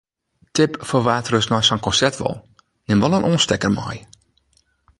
Tip foar wa’t ris nei sa’n konsert wol:: nim wol in oanstekker mei.